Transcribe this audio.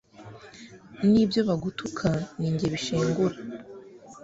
n'ibyo bagutuka ni jye bishengura